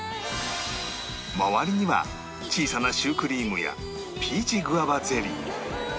周りには小さなシュークリームやピーチグァバゼリー